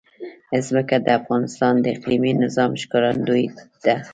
ځمکه د افغانستان د اقلیمي نظام ښکارندوی ده.